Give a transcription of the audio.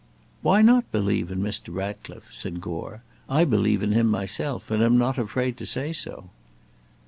"Why not believe in Mr. Ratcliffe?" said Gore; "I believe in him myself, and am not afraid to say so."